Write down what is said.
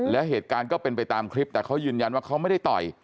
และเหตุการณ์ก็เป็นไปตามคลิปแต่เขายืนยันว่าเขาไม่ได้ต่อย